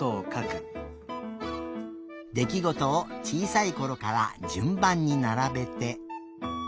できごとをちいさいころからじゅんばんにならべて。